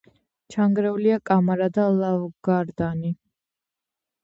ჩანგრეულია კამარა და ლავგარდანი.